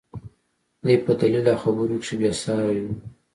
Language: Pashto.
دى په دليل او خبرو کښې بې سارى و.